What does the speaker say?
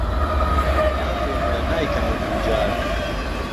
کهڕهتێکه نایکهمه دوو جار